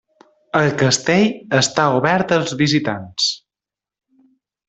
El castell està obert als visitants.